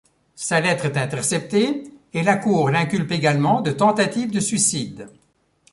Sa lettre est interceptée, et la cour l'inculpe également de tentative de suicide.